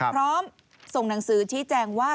พร้อมส่งหนังสือชี้แจงว่า